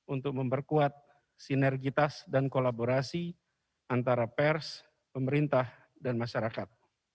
untuk memperkuat sinergitas dan kolaborasi antara pers pemerintah dan masyarakat